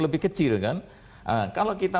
lebih kecil kan kalau kita